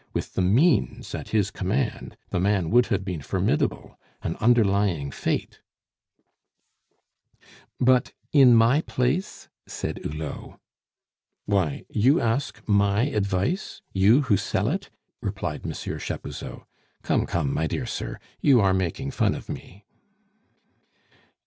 With the means at his command, the man would have been formidable, an underlying fate " "But in my place?" said Hulot. "Why, you ask my advice? You who sell it!" replied Monsieur Chapuzot. "Come, come, my dear sir, you are making fun of me."